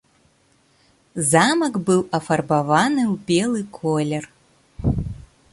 Замак быў афарбаваны ў белы колер.